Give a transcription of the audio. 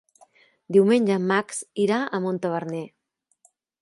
Diumenge en Max irà a Montaverner.